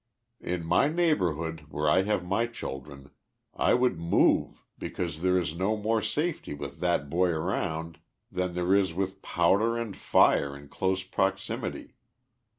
In my neighborhood, where 1 have my children, I would move, because there is no more safety with that boy around than there is with powder and tire in close proximity.